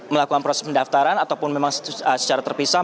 melakukan proses pendaftaran ataupun memang secara terpisah